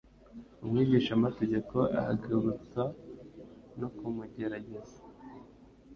"umwigishamategeko ahagurutswa no kumugerageza,